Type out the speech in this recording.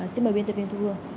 xin mời biên tập viên thu hương